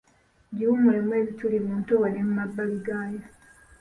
Giwumulemu ebituli mu ntobo ne mu mabbali gayo